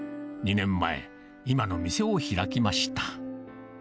２年前、今の店を開きました。